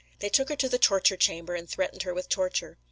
They took her to the torture chamber, and threatened her with torture.